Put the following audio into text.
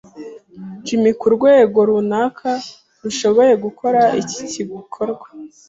Jimmy kurwego runaka rushoboye gukora iki gikorwa.